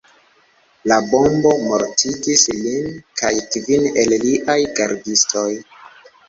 La bombo mortigis lin kaj kvin el liaj gardistoj.